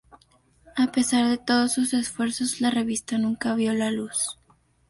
A pesar de todos sus esfuerzos, la revista nunca vio la luz.